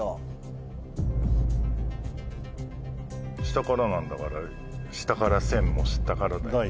下からなんだから下から線も下からだよね？